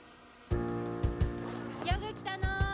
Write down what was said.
よぐ来たの！